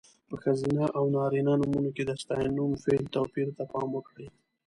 په ښځینه او نارینه نومونو کې د ستاینوم، فعل... توپیر ته پام وکړئ.